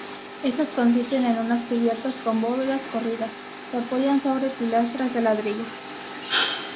Estas consisten en unas cubiertas con bóvedas corridas se apoyan sobre pilastras de ladrillo.